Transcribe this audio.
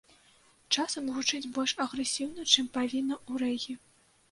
Часам гучыць больш агрэсіўна, чым павінна ў рэгі.